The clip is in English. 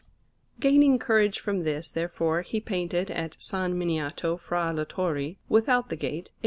Panel_)] Gaining courage from this, therefore, he painted at S. Miniato fra le Torri, without the Gate, a S.